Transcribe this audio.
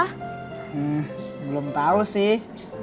hmm belum tau sih